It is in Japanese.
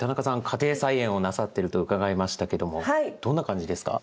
家庭菜園をなさってると伺いましたけどもどんな感じですか？